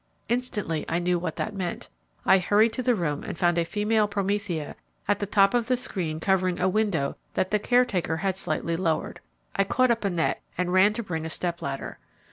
Instantly I knew what that meant. I hurried to the room and found a female Promothea at the top of the screen covering a window that the caretaker had slightly lowered. I caught up a net and ran to bring a step ladder.